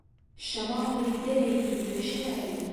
شەماڵی دەرەی دوورە شاری